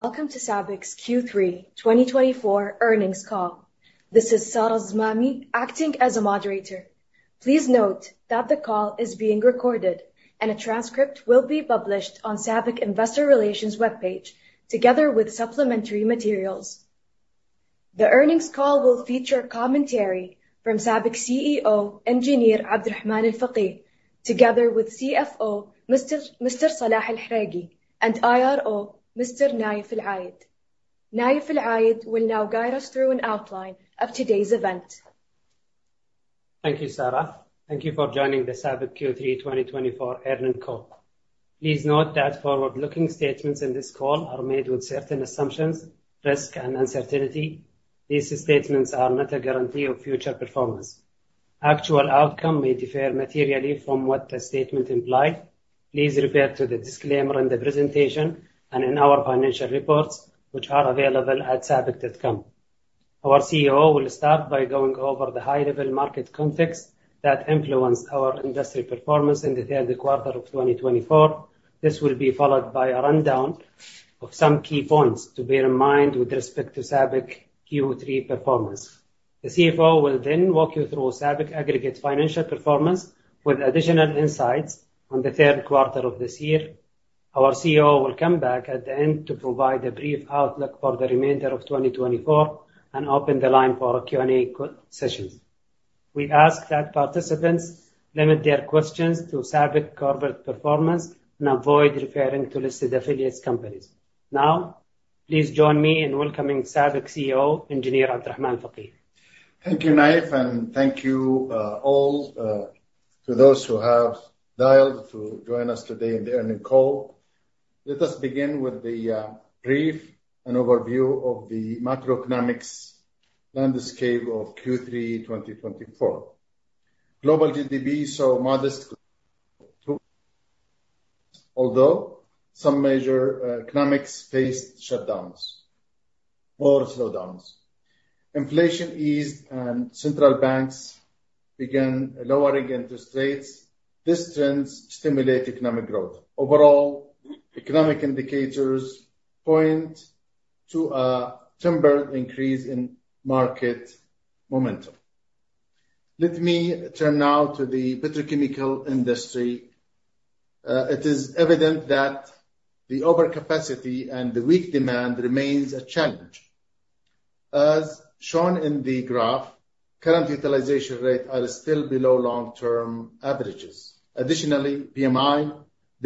Welcome to SABIC's Q3 2024 earnings call. This is Sarah Alzamami acting as a moderator. Please note that the call is being recorded, and a transcript will be published on SABIC Investor Relations webpage together with supplementary materials. The earnings call will feature commentary from SABIC CEO Engr. Abdulrahman Al-Fageeh, together with CFO Mr. Salah Al-Hareky, and IRO Mr. Naif Al-Ayed. Naif Al-Ayed will now guide us through an outline of today's event. Thank you, Sarah. Thank you for joining the SABIC Q3 2024 earnings call. Please note that forward-looking statements in this call are made with certain assumptions, risk, and uncertainty. These statements are not a guarantee of future performance. Actual outcomes may differ materially from what the statements imply. Please refer to the disclaimer in the presentation and in our financial reports, which are available at SABIC.com. Our CEO will start by going over the high-level market context that influenced our industry performance in the Q3 of 2024. This will be followed by a rundown of some key points to bear in mind with respect to SABIC Q3 performance. The CFO will then walk you through SABIC aggregate financial performance with additional insights on the Q3 of this year. Our CEO will come back at the end to provide a brief outlook for the remainder of 2024 and open the line for Q&A sessions. We ask that participants limit their questions to SABIC corporate performance and avoid referring to listed affiliate companies. Now, please join me in welcoming SABIC CEO Engr. Abdulrahman Al-Fageeh. Thank you, Naif, and thank you all to those who have dialed to join us today in the earnings call. Let us begin with a brief overview of the macroeconomic landscape of Q3 2024. Global GDP saw modest growth, although some major economies faced shutdowns or slowdowns. Inflation eased, and central banks began lowering interest rates. These trends stimulated economic growth. Overall, economic indicators point to a tempered increase in market momentum. Let me turn now to the petrochemical industry. It is evident that the overcapacity and the weak demand remain a challenge. As shown in the graph, current utilization rates are still below long-term averages. Additionally, PMI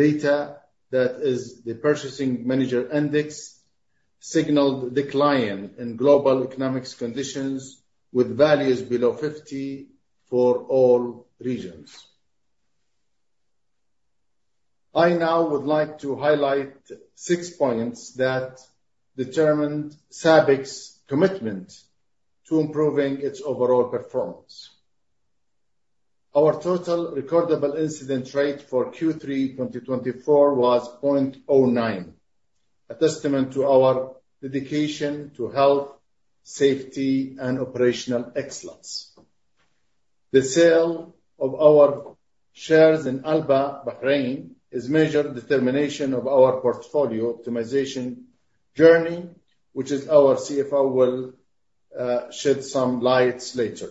data, that is, the Purchasing Managers' Index, signaled a decline in global economic conditions with values below 50 for all regions. I now would like to highlight six points that determined SABIC's commitment to improving its overall performance. Our total recordable incident rate for Q3 2024 was 0.09, a testament to our dedication to health, safety, and operational excellence. The sale of our shares in Alba Bahrain is a measured determination of our portfolio optimization journey, which our CFO will shed some light on later.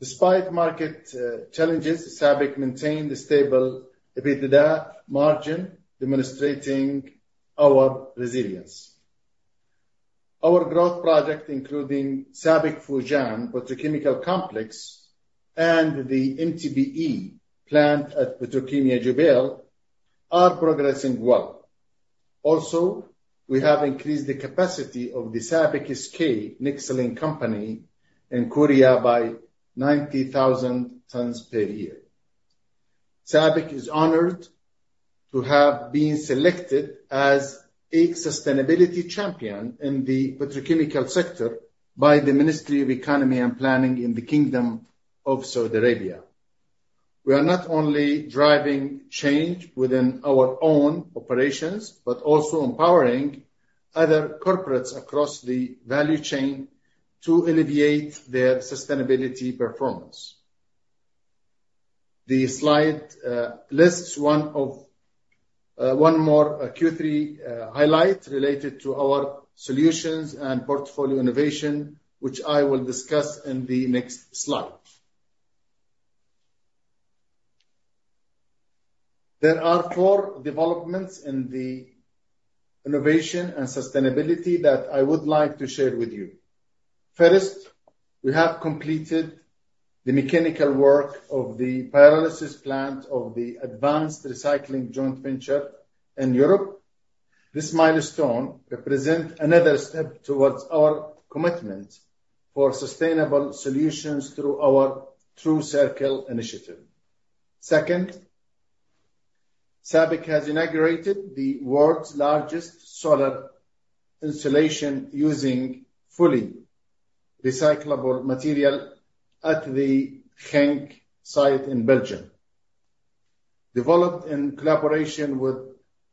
Despite market challenges, SABIC maintained a stable EBITDA margin, demonstrating our resilience. Our growth projects, including SABIC Fujian Petrochemical Complex and the MTBE plant at Petrokemya, Jubail, are progressing well. Also, we have increased the capacity of the SABIC SK Nexlene Company in Korea by 90,000 tons per year. SABIC is honored to have been selected as a sustainability champion in the petrochemical sector by the Ministry of Economy and Planning in the Kingdom of Saudi Arabia. We are not only driving change within our own operations but also empowering other corporates across the value chain to elevate their sustainability performance. The slide lists one more Q3 highlight related to our solutions and portfolio innovation, which I will discuss in the next slide. There are four developments in the innovation and sustainability that I would like to share with you. First, we have completed the mechanical work of the Pyrolysis Plant of the Advanced Recycling Joint Venture in Europe. This milestone represents another step towards our commitment for sustainable solutions through our TRUCIRCLE initiative. Second, SABIC has inaugurated the world's largest solar installation using fully recyclable material at the Genk site in Belgium, developed in collaboration with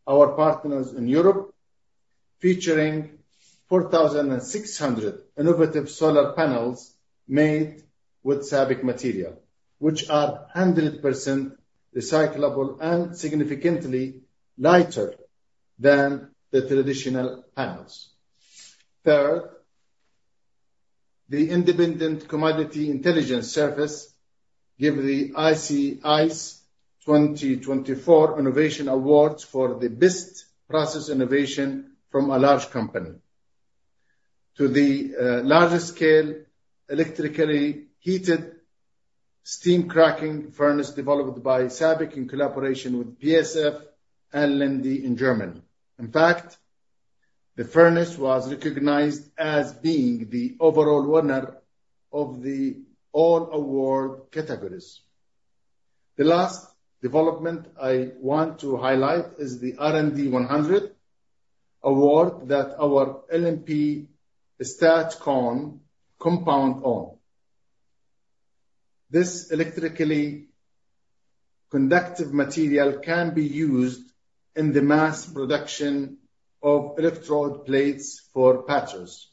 our partners in Europe, featuring 4,600 innovative solar panels made with SABIC material, which are 100% recyclable and significantly lighter than the traditional panels. Third, the independent commodity intelligence service gives the ICIS 2024 Innovation Awards for the best process innovation from a Large Company. To the largest scale electrically heated steam cracking furnace developed by SABIC in collaboration with BASF and Linde in Germany. In fact, the furnace was recognized as being the overall winner of all award categories. The last development I want to highlight is the R&D 100 award that our LNP STAT-KON compounds won. This electrically conductive material can be used in the mass production of electrode plates for batteries.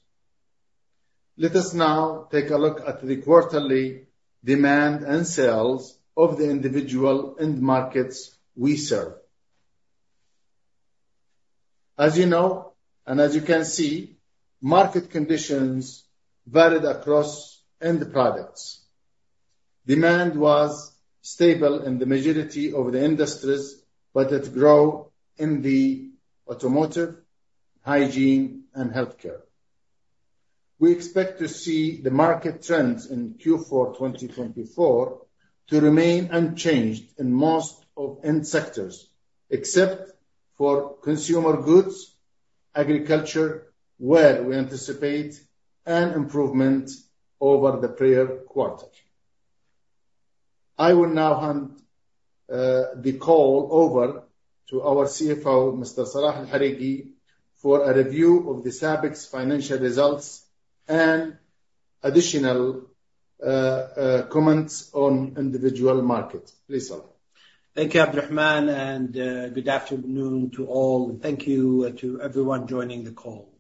Let us now take a look at the quarterly demand and sales of the individual end markets we serve. As you know, and as you can see, market conditions varied across end products. Demand was stable in the majority of the industries, but it grew in the automotive, hygiene, and healthcare. We expect to see the market trends in Q4 2024 to remain unchanged in most of the end sectors, except for consumer goods, agriculture, where we anticipate an improvement over the prior quarter. I will now hand the call over to our CFO, Mr. Salah Al-Hareky, for a review of SABIC's financial results and additional comments on individual markets. Please, Salah. Thank you, Abdulrahman, and good afternoon to all. Thank you to everyone joining the call.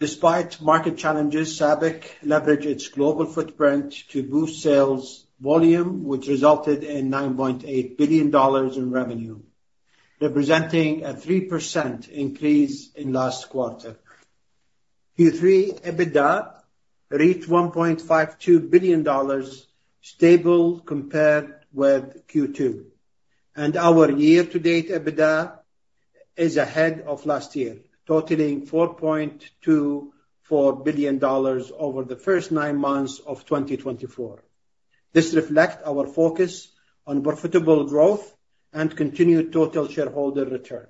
Despite market challenges, SABIC leveraged its global footprint to boost sales volume, which resulted in $9.8 billion in revenue, representing a 3% increase in last quarter. Q3 EBITDA reached $1.52 billion, stable compared with Q2, and our year-to-date EBITDA is ahead of last year, totaling $4.24 billion over the first nine months of 2024. This reflects our focus on profitable growth and continued total shareholder return.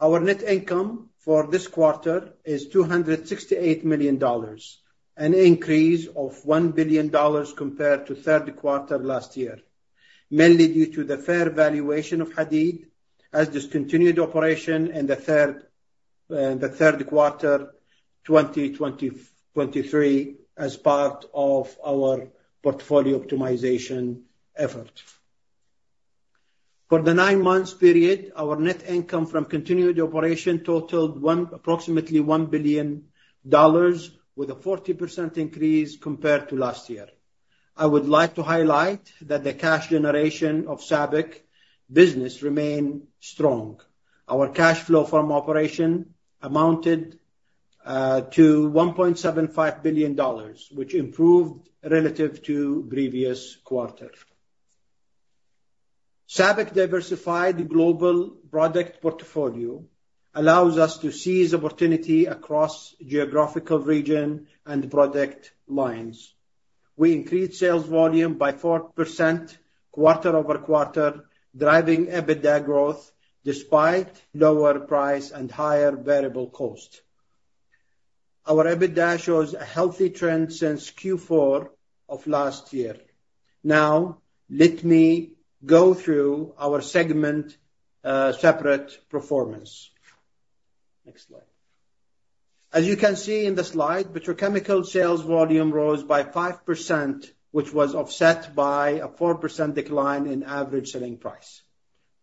Our net income for this quarter is $268 million, an increase of $1 billion compared to the Q3 last year, mainly due to the fair valuation of Hadeed as discontinued operation in the Q3 2023 as part of our portfolio optimization effort. For the nine-month period, our net income from continued operation totaled approximately $1 billion, with a 40% increase compared to last year. I would like to highlight that the cash generation of SABIC business remained strong. Our cash flow from operations amounted to $1.75 billion, which improved relative to the previous quarter. SABIC diversified the global product portfolio, allowing us to seize opportunities across geographical regions and product lines. We increased sales volume by 4% quarter-over-quarter, driving EBITDA growth despite lower prices and higher variable costs. Our EBITDA shows a healthy trend since Q4 of last year. Now, let me go through our segments' separate performance. Next slide. As you can see in the slide, petrochemical sales volume rose by 5%, which was offset by a 4% decline in average selling price.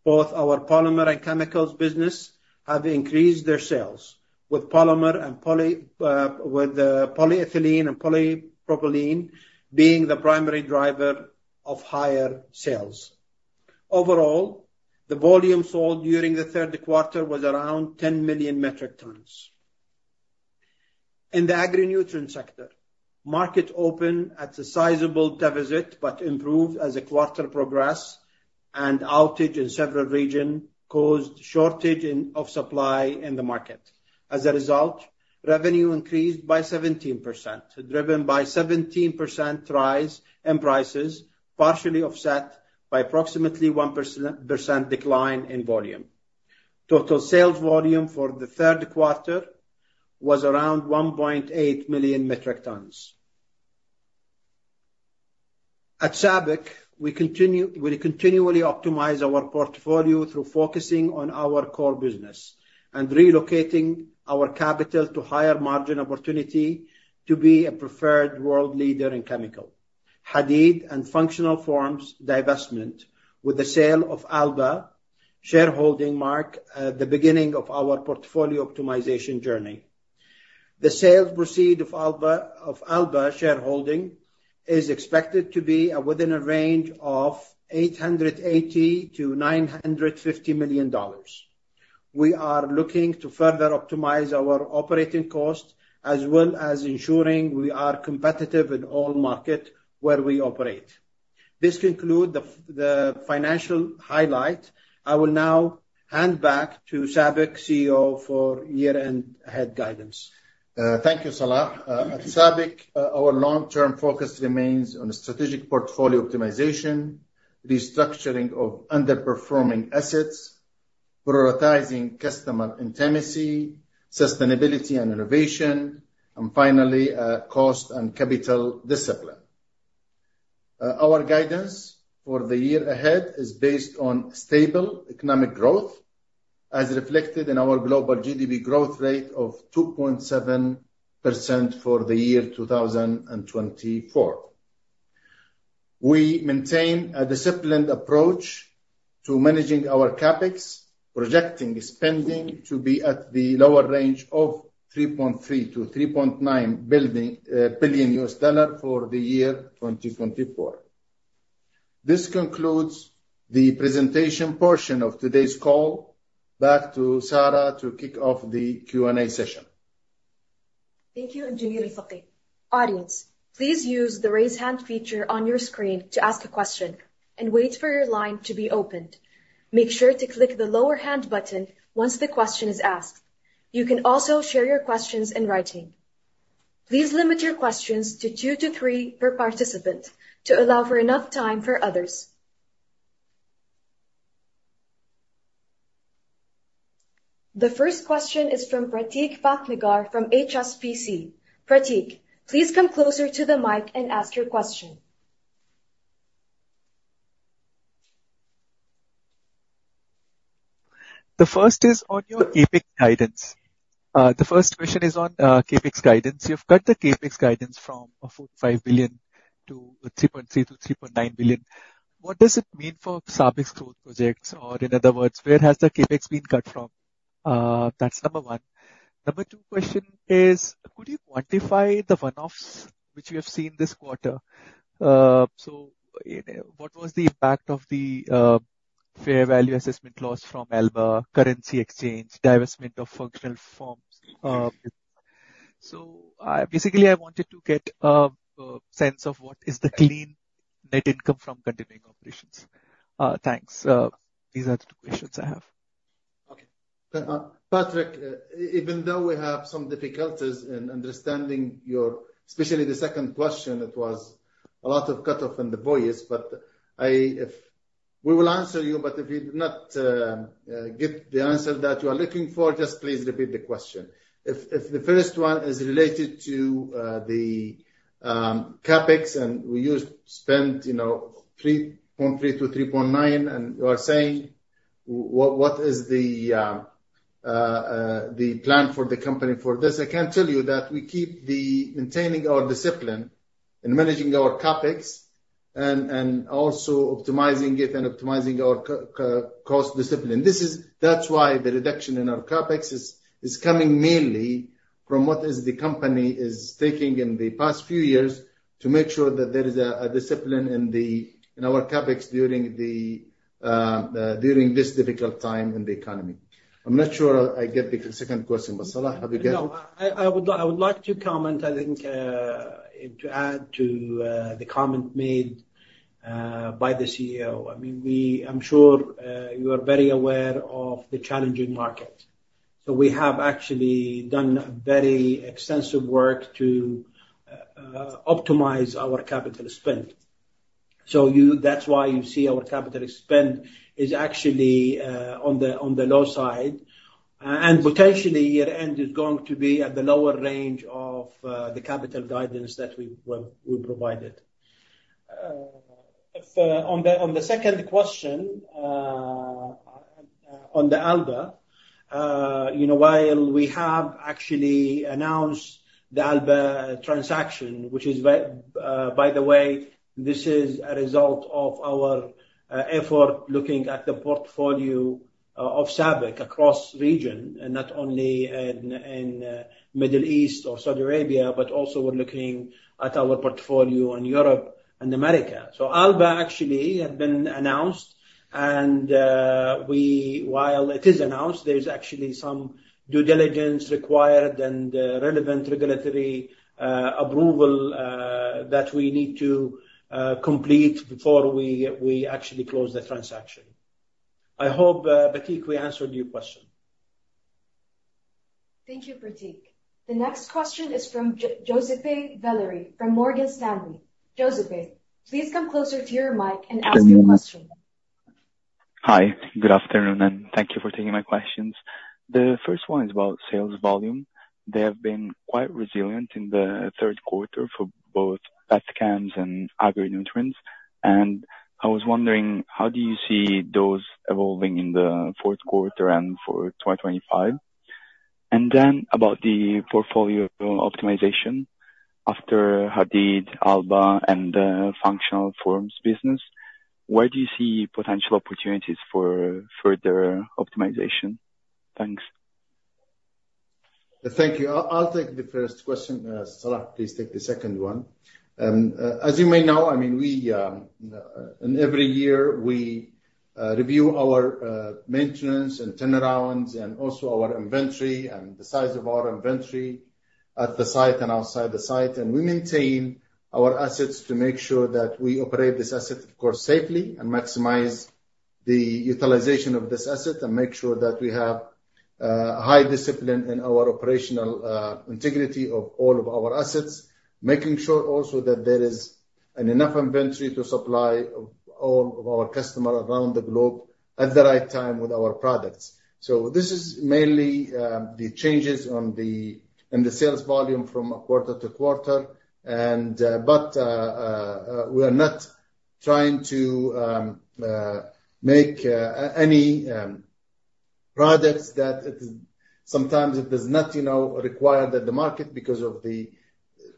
Both our polymer and chemicals businesses have increased their sales, with polyethylene and polypropylene being the primary drivers of higher sales. Overall, the volume sold during the Q3 was around 10 million metric tons. In the agri-nutrient sector, market opened at a sizable deficit but improved as quarter progress and outages in several regions caused a shortage of supply in the market. As a result, revenue increased by 17%, driven by a 17% rise in prices, partially offset by an approximately 1% decline in volume. Total sales volume for the Q3 was around 1.8 million metric tons. At SABIC, we continually optimize our portfolio through focusing on our core business and relocating our capital to higher margin opportunities to be a preferred world leader in chemicals. Hadeed and Functional Forms divestment, with the sale of Alba shareholding, marked the beginning of our portfolio optimization journey. The sales proceeds of Alba shareholding are expected to be within a range of $880-$950 million. We are looking to further optimize our operating costs as well as ensuring we are competitive in all markets where we operate. This concludes the financial highlights. I will now hand back to SABIC CEO for year-ahead guidance. Thank you, Salah. At SABIC, our long-term focus remains on strategic portfolio optimization, restructuring of underperforming assets, prioritizing customer intimacy, sustainability and innovation, and finally, cost and capital discipline. Our guidance for the year ahead is based on stable economic growth, as reflected in our global GDP growth rate of 2.7% for the year 2024. We maintain a disciplined approach to managing our CapEx, projecting spending to be at the lower range of $3.3-$3.9 billion US dollars for the year 2024. This concludes the presentation portion of today's call. Back to Sarah to kick off the Q&A session. Thank you, Engineer Al-Fageeh. Audience, please use the raise hand feature on your screen to ask a question and wait for your line to be opened. Make sure to click the lower hand button once the question is asked. You can also share your questions in writing. Please limit your questions to two to three per participant to allow for enough time for others. The first question is from Prateek Bhatnagar from HSBC. Prateek, please come closer to the mic and ask your question. The first is on your CapEx guidance. The first question is on CapEx guidance. You've cut the CapEx guidance from $4.5 billion to $3.3-$3.9 billion. What does it mean for SABIC's growth projects? Or in other words, where has the CapEx been cut from? That's number one. Number two question is, could you quantify the one-offs which we have seen this quarter? So what was the impact of the fair value assessment loss from Alba currency exchange, divestment of Functional Forms? So basically, I wanted to get a sense of what is the clean net income from continuing operations. Thanks. These are the two questions I have. Okay. Patrick, even though we have some difficulties in understanding your, especially the second question, it was a lot of cut-off in the voice, but we will answer you. But if you did not get the answer that you are looking for, just please repeat the question. If the first one is related to the CapEx and we spent $3.3-$3.9, and you are saying, what is the plan for the company for this? I can tell you that we keep maintaining our discipline in managing our CapEx and also optimizing it and optimizing our cost discipline. That's why the reduction in our CapEx is coming mainly from what the company is taking in the past few years to make sure that there is a discipline in our CapEx during this difficult time in the economy. I'm not sure I get the second question, but Salah, have you got it? No, I would like to comment, I think, to add to the comment made by the CEO. I mean, I'm sure you are very aware of the challenging market. So we have actually done very extensive work to optimize our capital spend. So that's why you see our capital expenditure is actually on the low side, and potentially year-end is going to be at the lower range of the capital guidance that we provided. On the second question on the Alba, while we have actually announced the Alba transaction, which is, by the way, this is a result of our effort looking at the portfolio of SABIC across regions, not only in the Middle East or Saudi Arabia, but also we're looking at our portfolio in Europe and America. So Alba actually has been announced, and while it is announced, there's actually some due diligence required and relevant regulatory approval that we need to complete before we actually close the transaction. I hope, Prateek, we answered your question. Thank you, Prateek. The next question is from Giuseppe Valeri from Morgan Stanley. Giuseppe, please come closer to your mic and ask your question. Hi, good afternoon, and thank you for taking my questions. The first one is about sales volume. They have been quite resilient in the Q3 for both petchems and Agri-Nutrients. And I was wondering, how do you see those evolving in the Q4 and for 2025? And then about the portfolio optimization after Hadid, Alba, and the Functional Forms business, where do you see potential opportunities for further optimization? Thanks. Thank you. I'll take the first question. Salah, please take the second one. As you may know, I mean, in every year, we review our maintenance and turnarounds and also our inventory and the size of our inventory at the site and outside the site. And we maintain our assets to make sure that we operate this asset, of course, safely and maximize the utilization of this asset and make sure that we have high discipline in our operational integrity of all of our assets, making sure also that there is enough inventory to supply all of our customers around the globe at the right time with our products. So this is mainly the changes in the sales volume from quarter-to-quarter. But we are not trying to make any products that sometimes it does not require the market because of the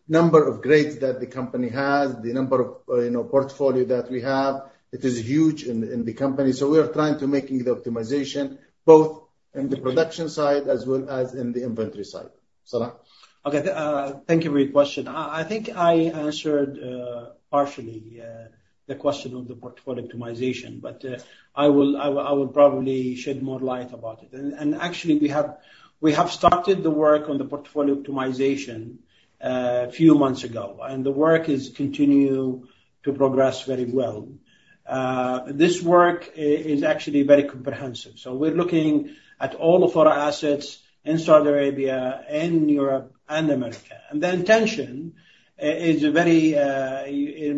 number of grades that the company has, the number of portfolios that we have. It is huge in the company. So we are trying to make the optimization both in the production side as well as in the inventory side. Salah? Okay. Thank you for your question. I think I answered partially the question on the portfolio optimization, but I will probably shed more light about it, and actually, we have started the work on the portfolio optimization a few months ago, and the work is continuing to progress very well. This work is actually very comprehensive, so we're looking at all of our assets in Saudi Arabia, in Europe, and America, and the intention in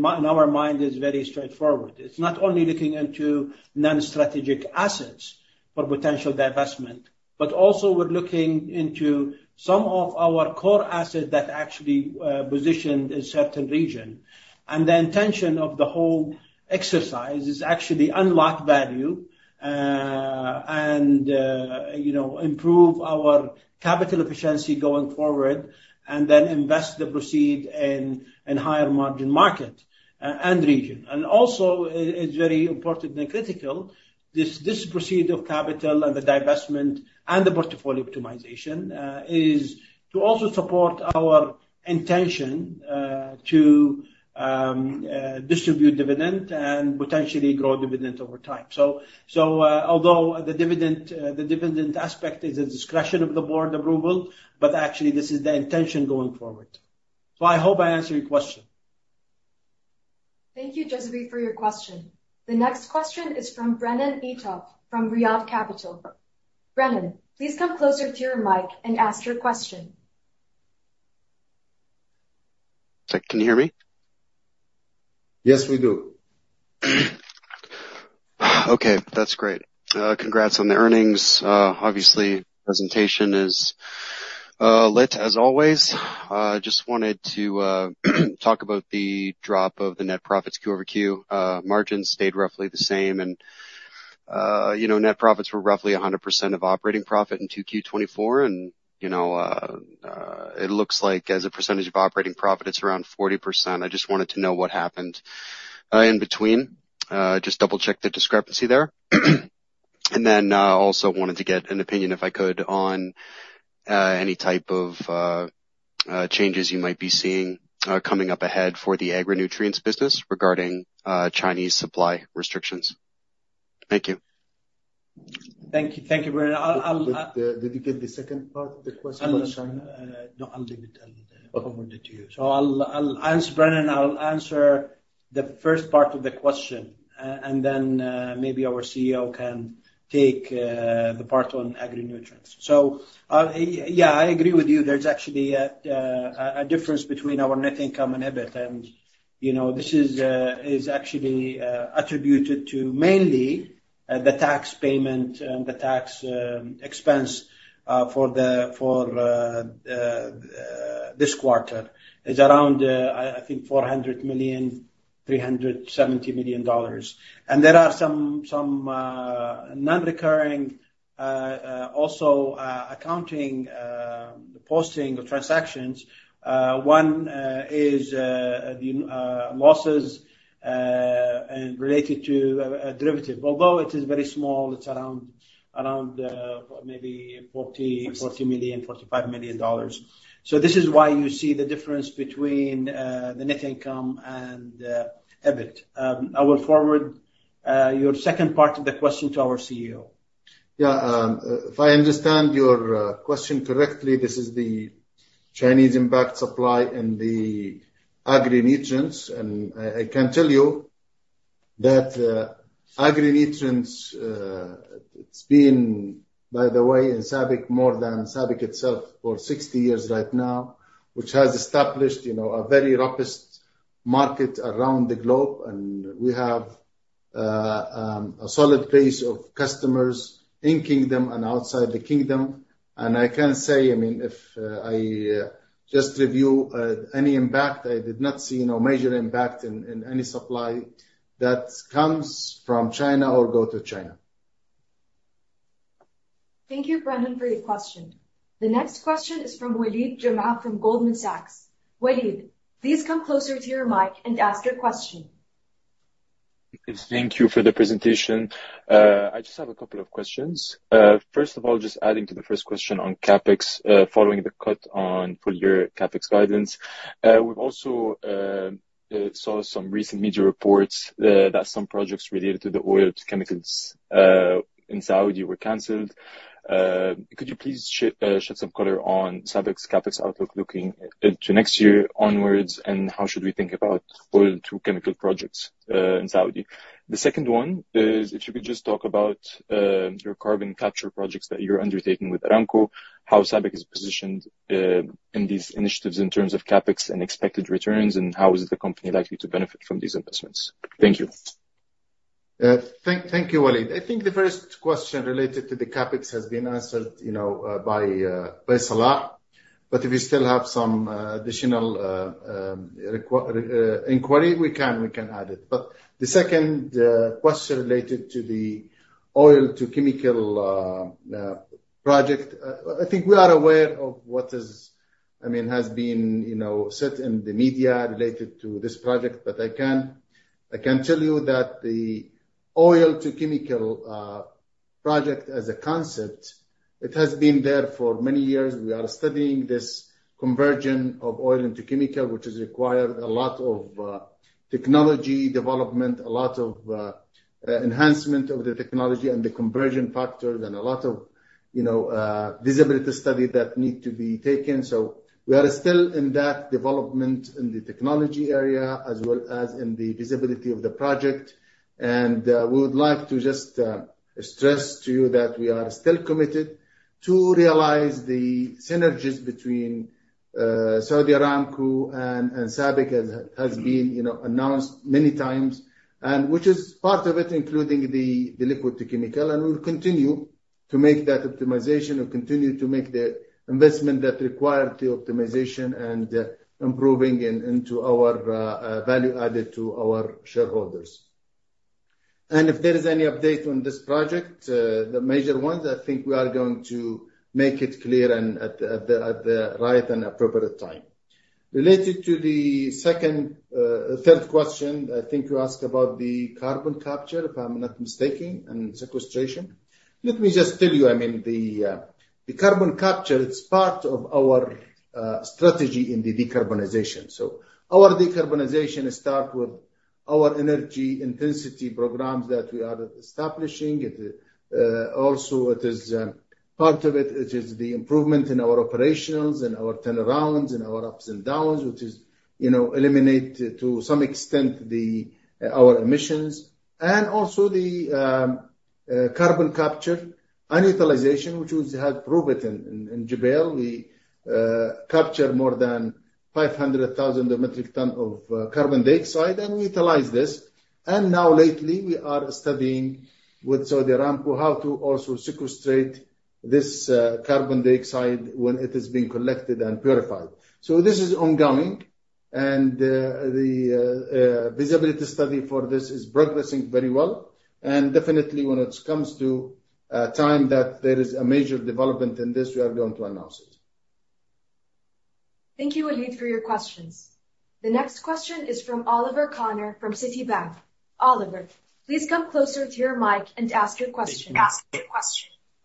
our mind is very straightforward. It's not only looking into non-strategic assets for potential divestment, but also we're looking into some of our core assets that actually position in certain regions, and the intention of the whole exercise is actually to unlock value and improve our capital efficiency going forward, and then invest the proceeds in higher margin markets and regions. And also, it's very important and critical. This proceeds of capital and the divestment and the portfolio optimization is to also support our intention to distribute dividends and potentially grow dividends over time. So although the dividend aspect is a discretion of the board approval, but actually, this is the intention going forward. So I hope I answered your question. Thank you, Giuseppe, for your question. The next question is from Brennan Eatough from Riyad Capital. Brennan, please come closer to your mic and ask your question. Can you hear me? Yes, we do. Okay. That's great. Congrats on the earnings. Obviously, the presentation is lit, as always. I just wanted to talk about the drop of the net profits, Q over Q. Margins stayed roughly the same, and net profits were roughly 100% of operating profit in Q24. And it looks like as a percentage of operating profit, it's around 40%. I just wanted to know what happened in between. Just double-check the discrepancy there. And then also wanted to get an opinion, if I could, on any type of changes you might be seeing coming up ahead for the agri-nutrients business regarding Chinese supply restrictions. Thank you. Thank you, Brennan. Did you get the second part of the question about China? No, I'll leave it. I'll forward it to you. So Brennan, I'll answer the first part of the question, and then maybe our CEO can take the part on agri-nutrients. So yeah, I agree with you. There's actually a difference between our net income and EBIT, and this is actually attributed to mainly the tax payment and the tax expense for this quarter. It's around, I think, $370 million-$400 million. And there are some non-recurring also accounting posting of transactions. One is losses related to derivatives. Although it is very small, it's around maybe $40 million-$45 million. So this is why you see the difference between the net income and EBIT. I will forward your second part of the question to our CEO. Yeah. If I understand your question correctly, this is the Chinese impact on supply in the agri-nutrients. I can tell you that Agri-nutrients, it's been, by the way, in SABIC more than SABIC itself for 60 years right now, which has established a very robust market around the globe. We have a solid base of customers in Kingdom and outside the Kingdom. I can say, I mean, if I just review any impact, I did not see no major impact in any supply that comes from China or goes to China. Thank you, Brennan, for your question. The next question is from Waleed Jimma from Goldman Sachs. Waleed, please come closer to your mic and ask your question. Thank you for the presentation. I just have a couple of questions. First of all, just adding to the first question on CapEx following the cut on full-year CapEx guidance. We also saw some recent media reports that some projects related to the oil to chemicals in Saudi were canceled. Could you please shed some color on SABIC's CapEx outlook looking into next year onwards, and how should we think about oil to chemical projects in Saudi? The second one is, if you could just talk about your carbon capture projects that you're undertaking with Aramco, how SABIC is positioned in these initiatives in terms of CapEx and expected returns, and how is the company likely to benefit from these investments? Thank you. Thank you, Waleed. I think the first question related to the CapEx has been answered by Salah, but if you still have some additional inquiry, we can add it, but the second question related to the oil to chemical project, I think we are aware of what has been said in the media related to this project, but I can tell you that the oil to chemical project, as a concept, it has been there for many years. We are studying this conversion of oil into chemical, which has required a lot of technology development, a lot of enhancement of the technology and the conversion factors, and a lot of visibility studies that need to be taken, so we are still in that development in the technology area as well as in the visibility of the project. We would like to just stress to you that we are still committed to realize the synergies between Saudi Aramco and SABIC, as has been announced many times, which is part of it, including the liquid-to-chemicals. And we will continue to make that optimization and continue to make the investment that's required to optimization and improving into our value added to our shareholders. And if there is any update on this project, the major ones, I think we are going to make it clear and at the right and appropriate time. Related to the third question, I think you asked about the carbon capture, if I'm not mistaken, and sequestration. Let me just tell you, I mean, the carbon capture, it's part of our strategy in the decarbonization. So our decarbonization starts with our energy intensity programs that we are establishing. Also, part of it is the improvement in our operations and our turnarounds and our ups and downs, which eliminate to some extent our emissions, and also the carbon capture and utilization, which we have proven in Jubail. We capture more than 500,000 metric tons of carbon dioxide, and we utilize this, and now lately, we are studying with Saudi Aramco how to also sequester this carbon dioxide when it is being collected and purified, so this is ongoing, and the feasibility study for this is progressing very well, and definitely, when it comes to a time that there is a major development in this, we are going to announce it. Thank you, Waleed, for your questions. The next question is from Oliver Connor from Citibank. Oliver, please come closer to your mic and ask your question.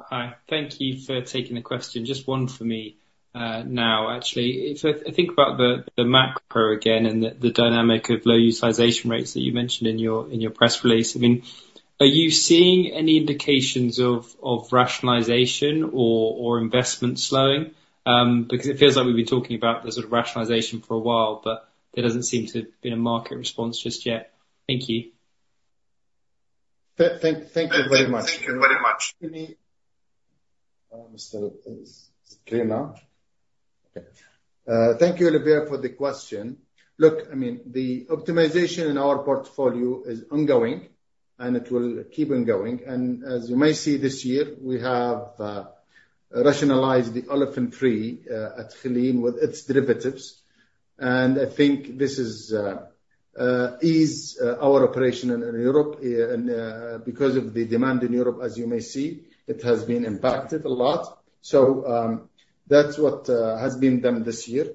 Hi. Thank you for taking the question. Just one for me now, actually. If I think about the macro again and the dynamic of low utilization rates that you mentioned in your press release, I mean, are you seeing any indications of rationalization or investment slowing? Because it feels like we've been talking about the sort of rationalization for a while, but there doesn't seem to have been a market response just yet. Thank you. Thank you very much. Thank you very much. Mr. Is it clear now? Okay. Thank you, Oliver, for the question. Look, I mean, the optimization in our portfolio is ongoing, and it will keep on going, and as you may see this year, we have rationalized the Olefins 3 at Geleen with its derivatives. And I think this eases our operation in Europe because of the demand in Europe, as you may see. It has been impacted a lot. So that's what has been done this year.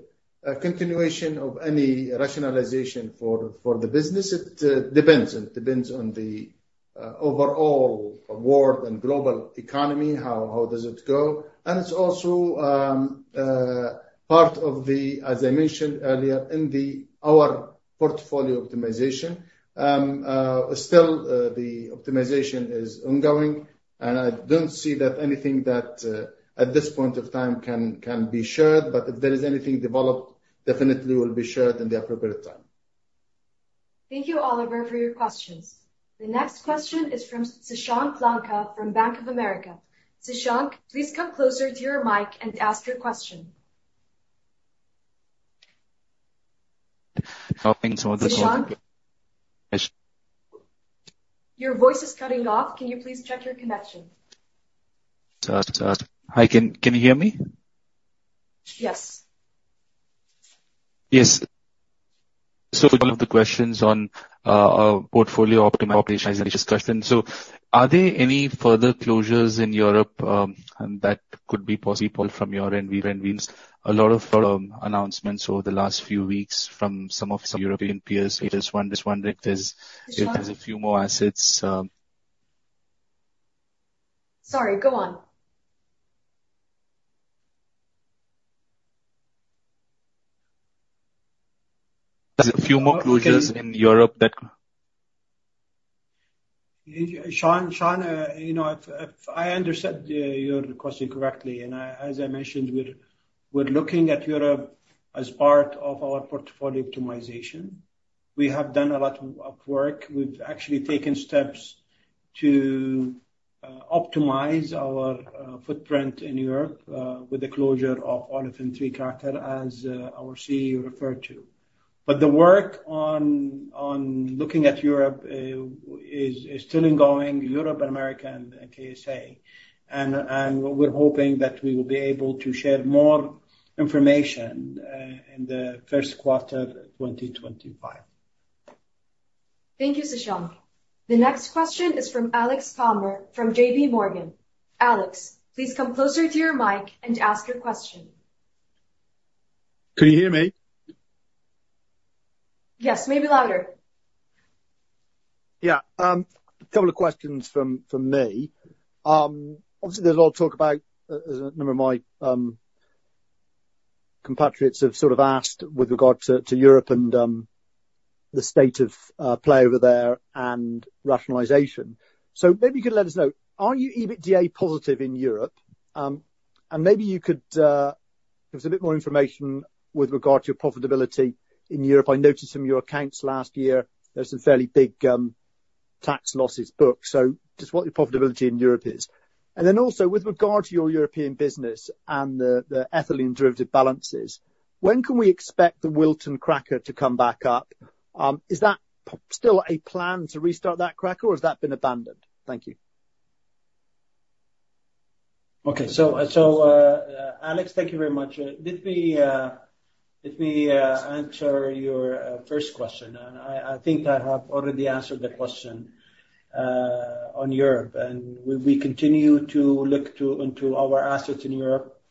Continuation of any rationalization for the business, it depends. It depends on the overall world and global economy, how does it go? And it's also part of the, as I mentioned earlier, in our portfolio optimization. Still, the optimization is ongoing, and I don't see that anything that at this point of time can be shared. But if there is anything developed, definitely will be shared in the appropriate time. Thank you, Oliver, for your questions. The next question is from Shashank Lanka from Bank of America. Shashank, please come closer to your mic and ask your question. Sashank? Your voice is cutting off. Can you please check your connection? Hi. Can you hear me? Yes. Yes. So, all of the questions on portfolio optimization discussion. So, are there any further closures in Europe that could be possible from your end? We've seen a lot of announcements over the last few weeks from some of the European peers. It would be wonderful if there were a few more assets. Sorry, go on. There's a few more closures in Europe that. Shashank, if I understood your question correctly, and as I mentioned, we're looking at Europe as part of our portfolio optimization. We have done a lot of work. We've actually taken steps to optimize our footprint in Europe with the closure of Olefins 3 cracker, as our CEO referred to. But the work on looking at Europe is still ongoing, Europe and America and the KSA. And we're hoping that we will be able to share more information in the Q1 of 2025. Thank you, Shashank. The next question is from Alex Palmer from JPMorgan. Alex, please come closer to your mic and ask your question. Can you hear me? Yes, maybe louder. Yeah. A couple of questions from me. Obviously, there's a lot of talk about a number of my compatriots have sort of asked with regard to Europe and the state of play over there and rationalization. So maybe you could let us know, are you EBITDA positive in Europe? And maybe you could give us a bit more information with regard to your profitability in Europe. I noticed in your accounts last year, there's some fairly big tax losses booked. So just what your profitability in Europe is. And then also, with regard to your European business and the ethylene derivative balances, when can we expect the Wilton cracker to come back up? Is that still a plan to restart that cracker, or has that been abandoned? Thank you. Okay. So Alex, thank you very much. Let me answer your first question. And I think I have already answered the question on Europe. And we continue to look into our assets in Europe.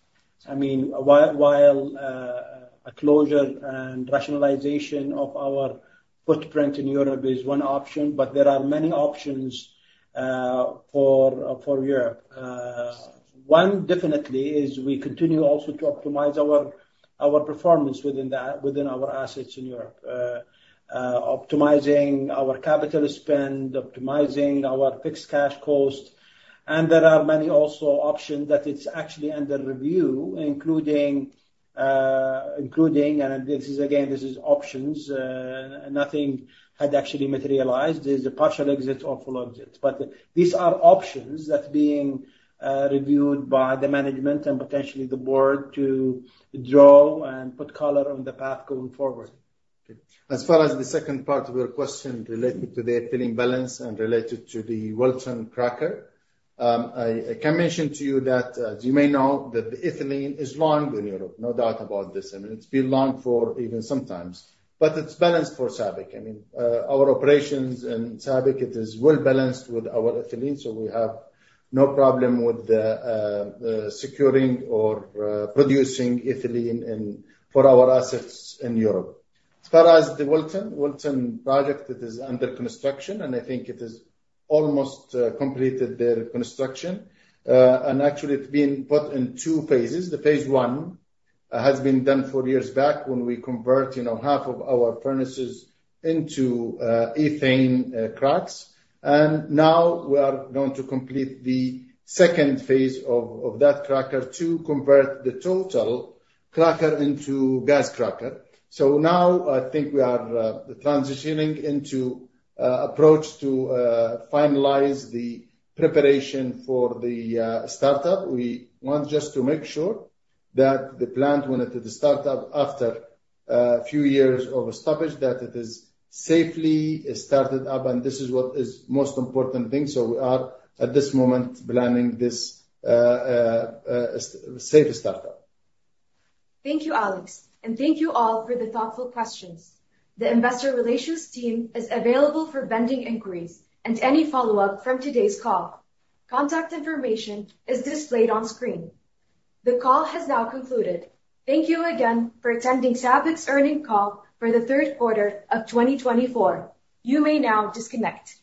I mean, while a closure and rationalization of our footprint in Europe is one option, but there are many options for Europe. One definitely is we continue also to optimize our performance within our assets in Europe, optimizing our capital spend, optimizing our fixed cash cost. And there are many also options that it's actually under review, including, and this is, again, this is options. Nothing had actually materialized. There's a partial exit or full exit. But these are options that are being reviewed by the management and potentially the board to draw and put color on the path going forward. As far as the second part of your question related to the ethylene balance and related to the Wilton cracker, I can mention to you that, as you may know, that the ethylene is long in Europe. No doubt about this. I mean, it's been long for even sometimes. But it's balanced for SABIC. I mean, our operations in SABIC, it is well balanced with our ethylene. So we have no problem with securing or producing ethylene for our assets in Europe. As far as the Wilton project, it is under construction, and I think it has almost completed their construction. And actually, it's been put in two phases. The phase one has been done four years back when we convert half of our furnaces into ethane crackers. And now we are going to complete the second phase of that cracker to convert the total cracker into gas cracker. So now I think we are transitioning into an approach to finalize the preparation for the startup. We want just to make sure that the plant, when it starts up after a few years of stoppage, that it is safely started up. And this is what is the most important thing. So we are, at this moment, planning this safe startup. Thank you, Alex, and thank you all for the thoughtful questions. The investor relations team is available for pending inquiries and any follow-up from today's call. Contact information is displayed on screen. The call has now concluded. Thank you again for attending SABIC's earnings call for the third quarter of 2024. You may now disconnect.